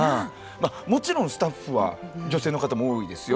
まあもちろんスタッフは女性の方も多いですよ